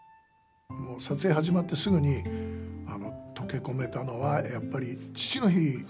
撮影が始まってすぐにとけ込めたのは、やっぱり父の日。